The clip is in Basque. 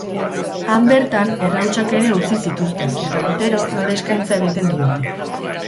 Han bertan errautsak ere utzi zituzten, eta urtero lore eskaintza egiten diote.